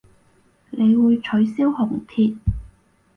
你會取消紅帖